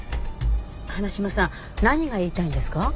花島さん何が言いたいんですか？